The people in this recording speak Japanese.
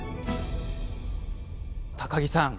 高城さん